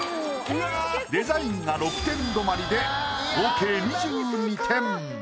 デザインが６点止まりで合計２２点。